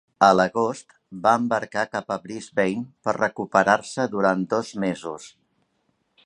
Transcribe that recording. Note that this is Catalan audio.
A l'agost, va embarcar cap a Brisbane per recuperar-se durant dos mesos.